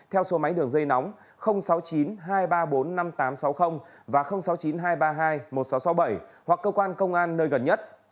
theo số máy đường dây nóng sáu mươi chín hai trăm ba mươi bốn năm nghìn tám trăm sáu mươi và sáu mươi chín hai trăm ba mươi hai một nghìn sáu trăm sáu mươi bảy hoặc cơ quan công an nơi gần nhất